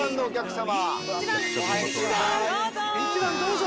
１番どうぞ。